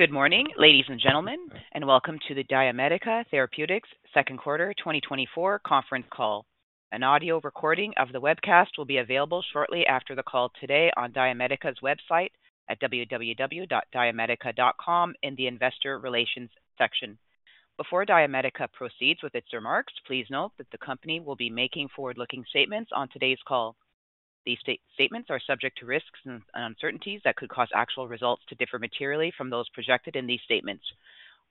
Good morning, ladies and gentlemen, and welcome to the DiaMedica Therapeutics second quarter 2024 conference call. An audio recording of the webcast will be available shortly after the call today on DiaMedica's website at www.diamedica.com in the Investor Relations section. Before DiaMedica proceeds with its remarks, please note that the company will be making forward-looking statements on today's call. These statements are subject to risks and uncertainties that could cause actual results to differ materially from those projected in these statements.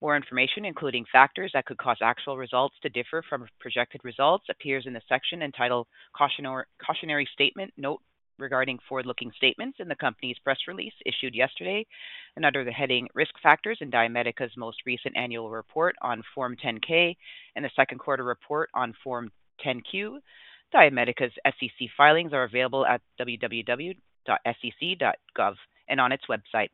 More information, including factors that could cause actual results to differ from projected results, appears in the section entitled Cautionary Statement Note Regarding Forward-Looking Statements in the company's press release issued yesterday, and under the heading Risk Factors in DiaMedica's most recent annual report on Form 10-K and the second quarter report on Form 10-Q. DiaMedica's SEC filings are available at www.sec.gov and on its website.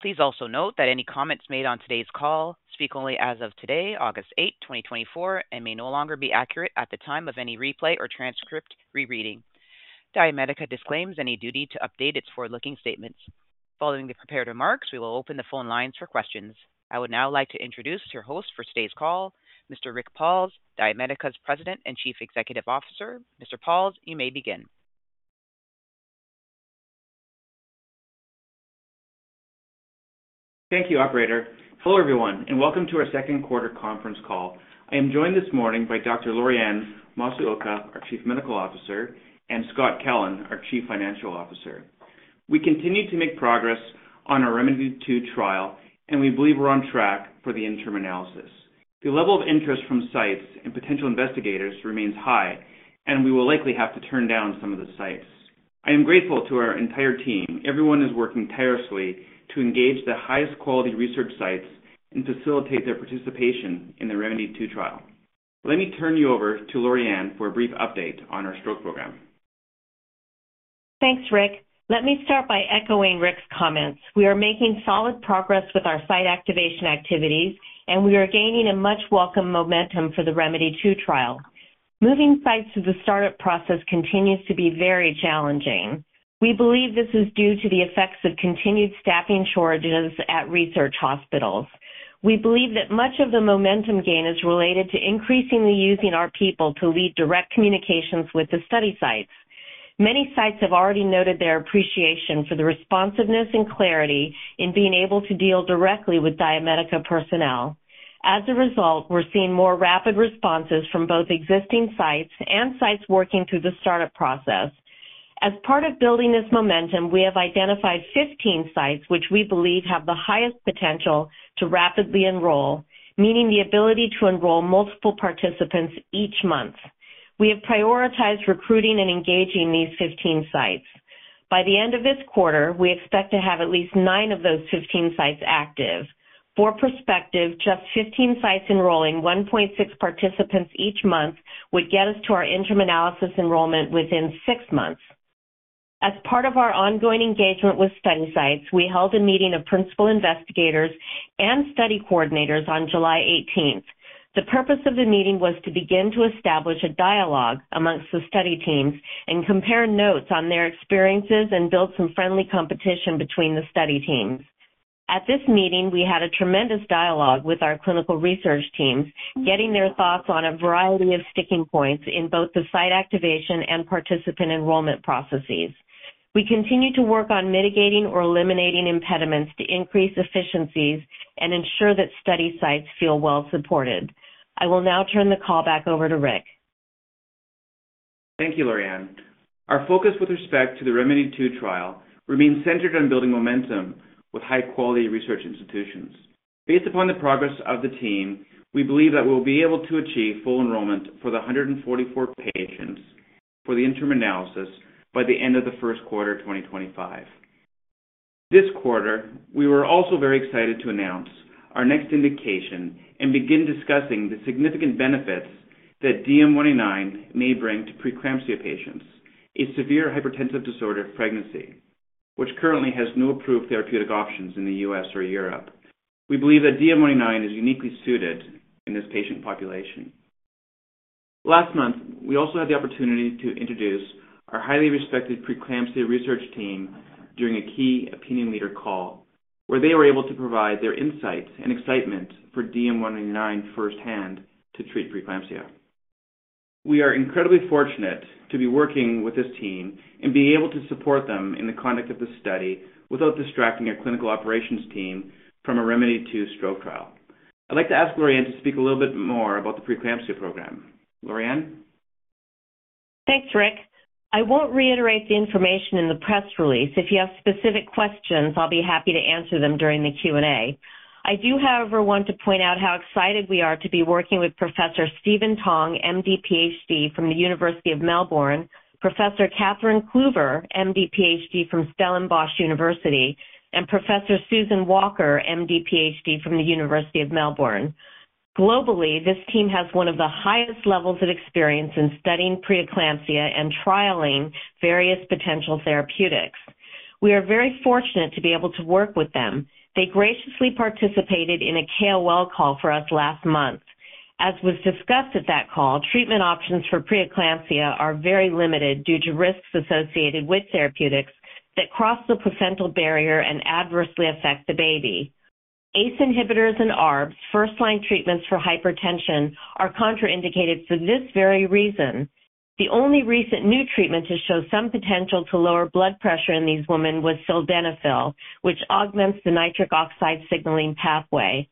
Please also note that any comments made on today's call speak only as of today, August 8, 2024, and may no longer be accurate at the time of any replay or transcript rereading. DiaMedica disclaims any duty to update its forward-looking statements. Following the prepared remarks, we will open the phone lines for questions. I would now like to introduce your host for today's call, Mr. Rick Pauls, DiaMedica's President and Chief Executive Officer. Mr. Pauls, you may begin. Thank you, Operator. Hello, everyone, and welcome to our second quarter conference call. I am joined this morning by Dr. Lorianne Masuoka, our Chief Medical Officer, and Scott Kellen, our Chief Financial Officer. We continue to make progress on our Remedy 2 trial, and we believe we're on track for the interim analysis. The level of interest from sites and potential investigators remains high, and we will likely have to turn down some of the sites. I am grateful to our entire team. Everyone is working tirelessly to engage the highest quality research sites and facilitate their participation in the Remedy 2 trial. Let me turn you over to Lorianne for a brief update on our stroke program. Thanks, Rick. Let me start by echoing Rick's comments. We are making solid progress with our site activation activities, and we are gaining a much welcome momentum for the Remedy 2 trial. Moving sites through the startup process continues to be very challenging. We believe this is due to the effects of continued staffing shortages at research hospitals. We believe that much of the momentum gain is related to increasingly using our people to lead direct communications with the study sites. Many sites have already noted their appreciation for the responsiveness and clarity in being able to deal directly with DiaMedica personnel. As a result, we're seeing more rapid responses from both existing sites and sites working through the startup process. As part of building this momentum, we have identified 15 sites which we believe have the highest potential to rapidly enroll, meaning the ability to enroll multiple participants each month. We have prioritized recruiting and engaging these 15 sites. By the end of this quarter, we expect to have at least nine of those 15 sites active. For perspective, just 15 sites enrolling 1.6 participants each month would get us to our interim analysis enrollment within six months. As part of our ongoing engagement with study sites, we held a meeting of principal investigators and study coordinators on July 18th. The purpose of the meeting was to begin to establish a dialogue among the study teams and compare notes on their experiences and build some friendly competition between the study teams. At this meeting, we had a tremendous dialogue with our clinical research teams, getting their thoughts on a variety of sticking points in both the site activation and participant enrollment processes. We continue to work on mitigating or eliminating impediments to increase efficiencies and ensure that study sites feel well supported. I will now turn the call back over to Rick. Thank you, Lorianne. Our focus with respect to the ReMEDy 2 trial remains centered on building momentum with high-quality research institutions. Based upon the progress of the team, we believe that we'll be able to achieve full enrollment for the 144 patients for the interim analysis by the end of the first quarter of 2025. This quarter, we were also very excited to announce our next indication and begin discussing the significant benefits that DM-199 may bring to preeclampsia patients, a severe hypertensive disorder of pregnancy, which currently has no approved therapeutic options in the U.S. or Europe. We believe that DM-199 is uniquely suited in this patient population. Last month, we also had the opportunity to introduce our highly respected preeclampsia research team during a key opinion leader call, where they were able to provide their insight and excitement for DM-199 firsthand to treat preeclampsia. We are incredibly fortunate to be working with this team and be able to support them in the conduct of the study without distracting our clinical operations team from our ReMEDy 2 stroke trial. I'd like to ask Lorianne to speak a little bit more about the preeclampsia program. Lorianne? Thanks, Rick. I won't reiterate the information in the press release. If you have specific questions, I'll be happy to answer them during the Q&A. I do, however, want to point out how excited we are to be working with Professor Stephen Tong, MD, PhD from the University of Melbourne, Professor Catherine Cluver, MD, PhD from Stellenbosch University, and Professor Susan Walker, MD, PhD from the University of Melbourne. Globally, this team has one of the highest levels of experience in studying preeclampsia and trialing various potential therapeutics. We are very fortunate to be able to work with them. They graciously participated in a KOL call for us last month. As was discussed at that call, treatment options for preeclampsia are very limited due to risks associated with therapeutics that cross the placental barrier and adversely affect the baby. ACE inhibitors and ARBs, first-line treatments for hypertension, are contraindicated for this very reason. The only recent new treatment to show some potential to lower blood pressure in these women was sildenafil, which augments the nitric oxide signaling pathway.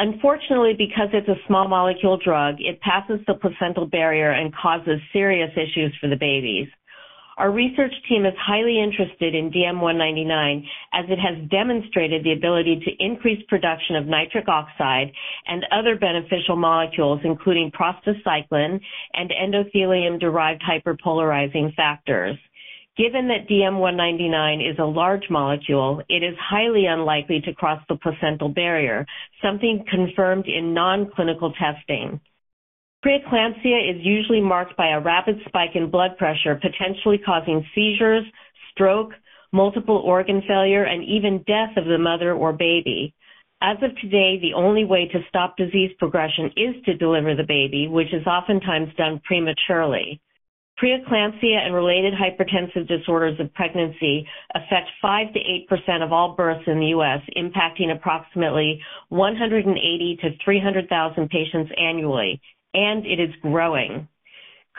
Unfortunately, because it's a small molecule drug, it passes the placental barrier and causes serious issues for the babies. Our research team is highly interested in DM-199, as it has demonstrated the ability to increase production of nitric oxide and other beneficial molecules, including prostacyclin and endothelium-derived hyperpolarizing factors. Given that DM-199 is a large molecule, it is highly unlikely to cross the placental barrier, something confirmed in non-clinical testing. Preeclampsia is usually marked by a rapid spike in blood pressure, potentially causing seizures, stroke, multiple organ failure, and even death of the mother or baby. As of today, the only way to stop disease progression is to deliver the baby, which is oftentimes done prematurely. Preeclampsia and related hypertensive disorders of pregnancy affect 5%-8% of all births in the U.S., impacting approximately 180,000-300,000 patients annually, and it is growing.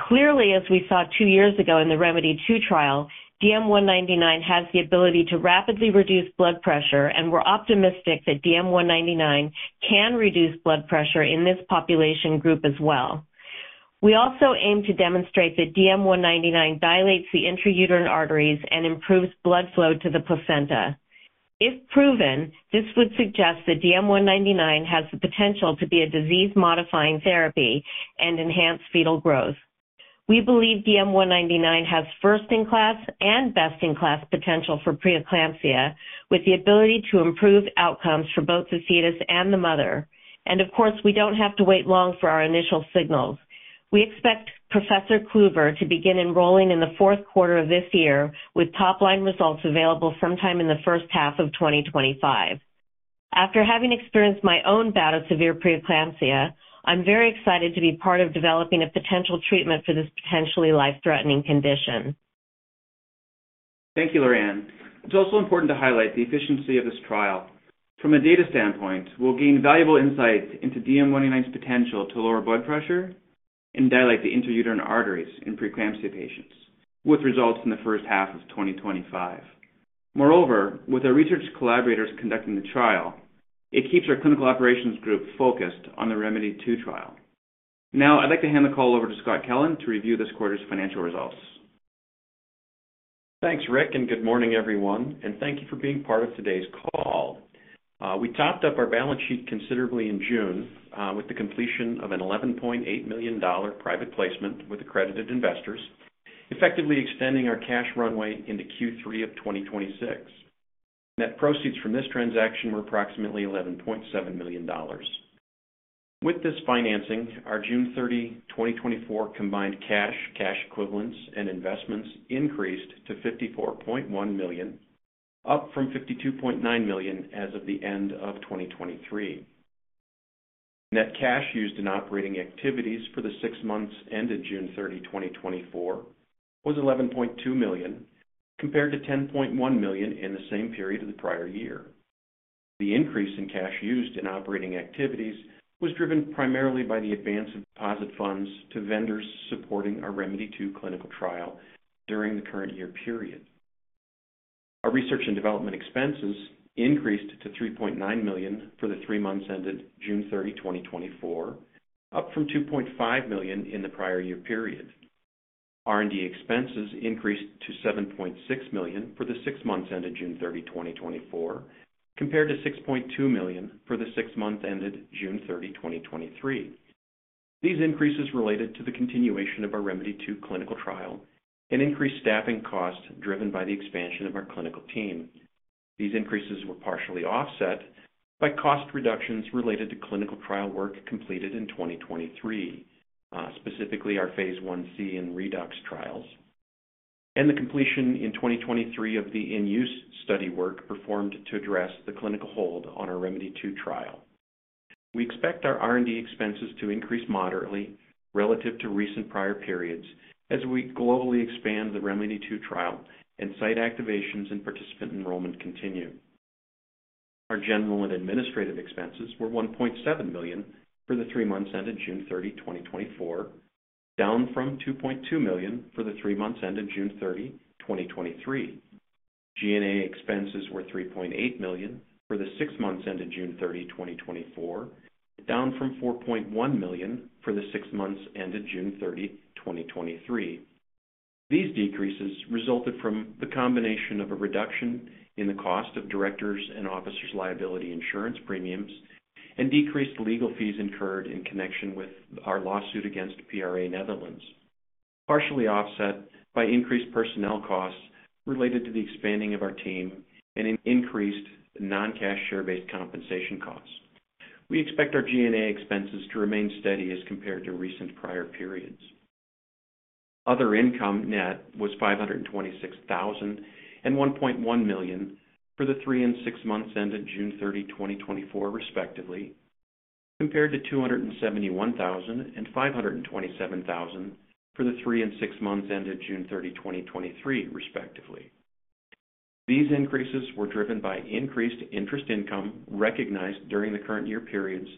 Clearly, as we saw two years ago in the Remedy 2 trial, DM-199 has the ability to rapidly reduce blood pressure, and we're optimistic that DM-199 can reduce blood pressure in this population group as well. We also aim to demonstrate that DM-199 dilates the intrauterine arteries and improves blood flow to the placenta. If proven, this would suggest that DM-199 has the potential to be a disease-modifying therapy and enhance fetal growth. We believe DM-199 has first-in-class and best-in-class potential for preeclampsia, with the ability to improve outcomes for both the fetus and the mother. Of course, we don't have to wait long for our initial signals. We expect Professor Cluver to begin enrolling in the fourth quarter of this year, with top-line results available sometime in the first half of 2025. After having experienced my own bout of severe preeclampsia, I'm very excited to be part of developing a potential treatment for this potentially life-threatening condition. Thank you, Lorianne. It's also important to highlight the efficiency of this trial. From a data standpoint, we'll gain valuable insights into DM-199's potential to lower blood pressure and dilate the intrauterine arteries in preeclampsia patients, with results in the first half of 2025. Moreover, with our research collaborators conducting the trial, it keeps our clinical operations group focused on the Remedy 2 trial. Now, I'd like to hand the call over to Scott Kellen to review this quarter's financial results. Thanks, Rick, and good morning, everyone, and thank you for being part of today's call. We topped up our balance sheet considerably in June with the completion of an $11.8 million private placement with accredited investors, effectively extending our cash runway into Q3 of 2026. Net proceeds from this transaction were approximately $11.7 million. With this financing, our June 30, 2024 combined cash, cash equivalents, and investments increased to $54.1 million, up from $52.9 million as of the end of 2023. Net cash used in operating activities for the six months ended June 30, 2024, was $11.2 million, compared to $10.1 million in the same period of the prior year. The increase in cash used in operating activities was driven primarily by the advance of deposit funds to vendors supporting our Remedy 2 clinical trial during the current year period. Our research and development expenses increased to $3.9 million for the three months ended June 30, 2024, up from $2.5 million in the prior year period. R&D expenses increased to $7.6 million for the six months ended June 30, 2024, compared to $6.2 million for the six months ended June 30, 2023. These increases related to the continuation of our Remedy 2 clinical trial and increased staffing costs driven by the expansion of our clinical team. These increases were partially offset by cost reductions related to clinical trial work completed in 2023, specifically our Phase 1C and Redox trials, and the completion in 2023 of the in-use study work performed to address the clinical hold on our Remedy 2 trial. We expect our R&D expenses to increase moderately relative to recent prior periods as we globally expand the Remedy 2 trial and site activations and participant enrollment continue. Our general and administrative expenses were $1.7 million for the three months ended June 30, 2024, down from $2.2 million for the three months ended June 30, 2023. G&A expenses were $3.8 million for the six months ended June 30, 2024, down from $4.1 million for the six months ended June 30, 2023. These decreases resulted from the combination of a reduction in the cost of directors' and officers' liability insurance premiums and decreased legal fees incurred in connection with our lawsuit against PRA Netherlands, partially offset by increased personnel costs related to the expanding of our team and increased non-cash share-based compensation costs. We expect our G&A expenses to remain steady as compared to recent prior periods. Other income net was $526,000 and $1.1 million for the three and six months ended June 30, 2024, respectively, compared to $271,000 and $527,000 for the three and six months ended June 30, 2023, respectively. These increases were driven by increased interest income recognized during the current year periods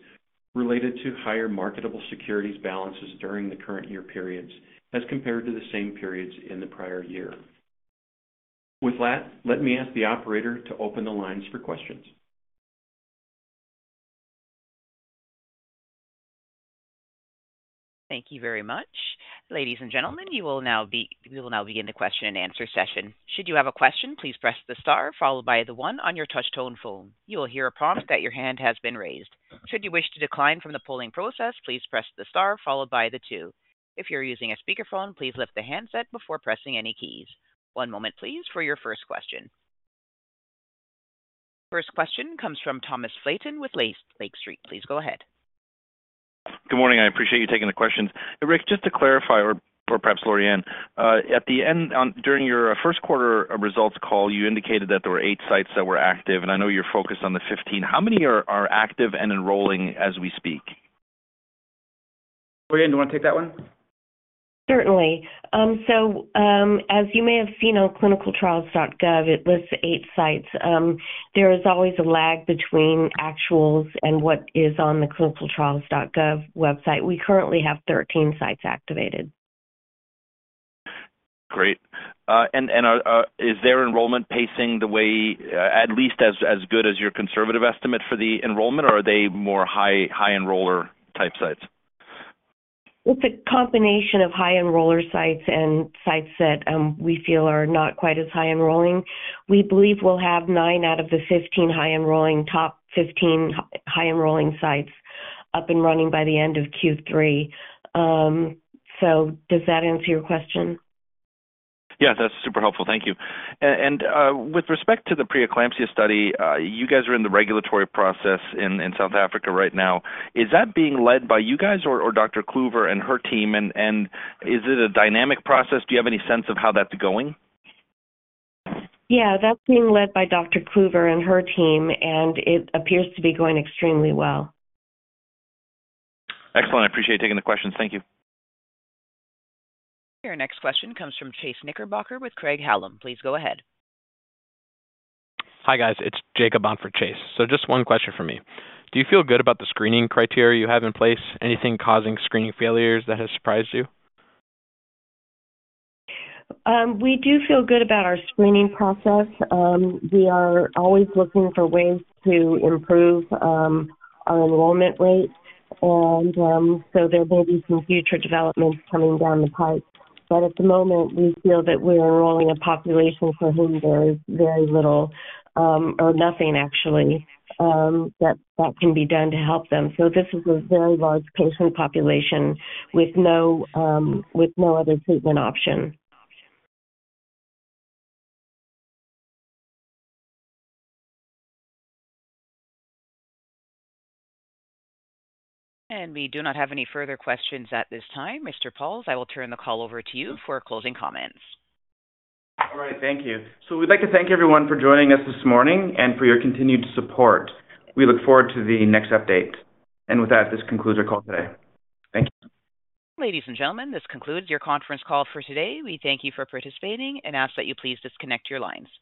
related to higher marketable securities balances during the current year periods as compared to the same periods in the prior year. With that, let me ask the operator to open the lines for questions. Thank you very much. Ladies and gentlemen, you will now begin the question and answer session. Should you have a question, please press the star followed by the one on your touchtone phone. You will hear a prompt that your hand has been raised. Should you wish to decline from the polling process, please press the star followed by the two. If you're using a speakerphone, please lift the handset before pressing any keys. One moment, please, for your first question. First question comes from Thomas Flaten with Lake Street. Please go ahead. Good morning. I appreciate you taking the questions. Rick, just to clarify, or perhaps Lorianne, at the end, during your first quarter results call, you indicated that there were 8 sites that were active, and I know you're focused on the 15. How many are active and enrolling as we speak? Lorianne, do you want to take that one? Certainly. So, as you may have seen on clinicaltrials.gov, it lists 8 sites. There is always a lag between actuals and what is on the clinicaltrials.gov website. We currently have 13 sites activated. Great. Is their enrollment pacing the way, at least as good as your conservative estimate for the enrollment, or are they more high enroller type sites? It's a combination of high enroller sites and sites that we feel are not quite as high enrolling. We believe we'll have 9 out of the 15 high enrolling, top 15 high enrolling sites up and running by the end of Q3. So, does that answer your question? Yeah, that's super helpful. Thank you. With respect to the preeclampsia study, you guys are in the regulatory process in South Africa right now. Is that being led by you guys or Dr. Cluver and her team, and is it a dynamic process? Do you have any sense of how that's going? Yeah, that's being led by Dr. Cluver and her team, and it appears to be going extremely well. Excellent. I appreciate taking the questions. Thank you. Your next question comes from Chase Knickerbocker with Craig-Hallum. Please go ahead. Hi guys, it's Jacob on for Chase. So, just one question for me. Do you feel good about the screening criteria you have in place? Anything causing screening failures that has surprised you? We do feel good about our screening process. We are always looking for ways to improve our enrollment rate, and so there may be some future developments coming down the pike. But at the moment, we feel that we're enrolling a population for whom there is very little, or nothing actually, that can be done to help them. So, this is a very large patient population with no other treatment option. We do not have any further questions at this time. Mr. Pauls, I will turn the call over to you for closing comments. All right, thank you. So, we'd like to thank everyone for joining us this morning and for your continued support. We look forward to the next update. With that, this concludes our call today. Thank you. Ladies and gentlemen, this concludes your conference call for today. We thank you for participating and ask that you please disconnect your lines.